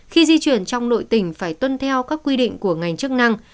khi di chuyển trong nội tỉnh phải tuân theo các quy định của ngành chức năng